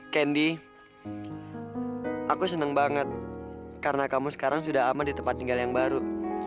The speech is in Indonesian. kendi aku senang banget karena kamu sekarang sudah aman di tempat tinggal yang baru